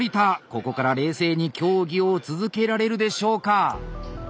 ここから冷静に競技を続けられるでしょうか？